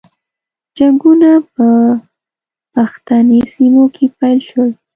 جنګونه په پښتني سیمو کې پیل شول.